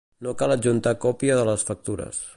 No cal adjuntar còpia de les factures.